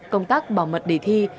công tác bảo mật đề thi